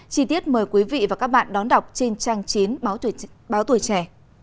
chi tiết mời quý vị và các bạn đón đọc trên trang chín báo tù trẻ